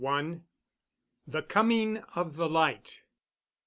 THE COMING OF THE LIGHT.